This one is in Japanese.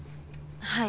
はい。